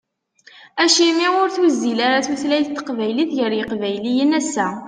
Acimi ur tuzzil ara tutlayt n teqbaylit gar yiqbayliyen ass-a?